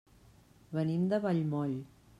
Venim de Vallmoll.